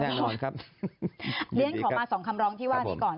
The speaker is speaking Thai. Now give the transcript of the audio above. เรียนขอมาสองคำล้องที่ว่านี้ก่อน